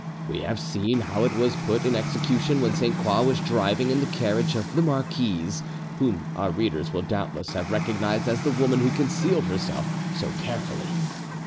We have seen how it was put in execution when Sainte Croix was driving in the carriage of the marquise, whom our readers will doubtless have recognised as the woman who concealed herself so carefully.